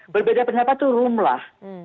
berbeda penyapa turun lah